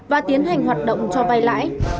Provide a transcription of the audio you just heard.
và tiến hành hoạt động cho vai lãi